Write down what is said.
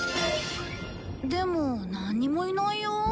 でもなんにもいないよ？